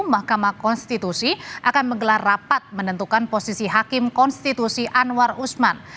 mahkamah konstitusi akan menggelar rapat menentukan posisi hakim konstitusi anwar usman